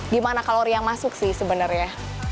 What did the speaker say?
gimana kalori yang masuk sih sebenarnya